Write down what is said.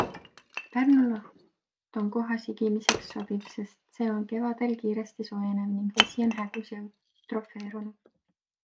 Pärnu laht on koha sigimiseks sobiv, sest see on kevadel kiiresti soojenev ning vesi on hägus ja eutrofeerunud.